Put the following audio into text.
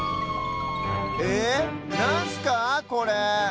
えなんすかこれ？